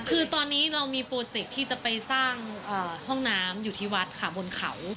คือตอนนี้เรามีโปรเจคที่จะไปสร้างห้องน้ำอยู่ที่วัดค่ะบนเขา